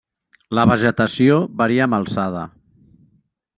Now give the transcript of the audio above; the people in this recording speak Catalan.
La vegetació varia amb alçada.